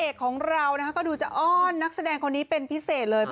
ก็ดูจะนักแสดงคนนี้เป็นพิเศษเลย